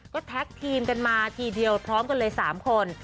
ก็แท็กทีมกันมาทีเดียวพร้อมกันเลย๓คน